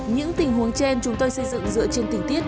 những tình huống trên chúng tôi xây dựng dựa trên tình tiết